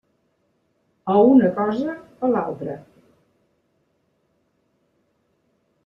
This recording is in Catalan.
O una cosa o l'altra.